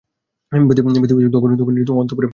ব্যতিব্যস্ত হয়ে তখনি অন্তঃপুরে গেলুম।